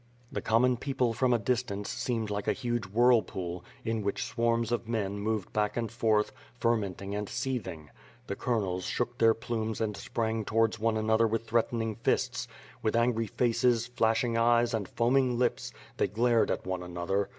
The common people from a distance seemed like a huge whirlpool, in which swarms of men moved back and forth, fermenting and seething. The colonels shook their plumes and sprang towards one another with threatening fists. With angry faces, flashing eyes, and foaming lips, they glared at one another.